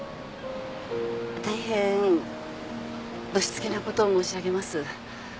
大変ぶしつけなことを申し上げます。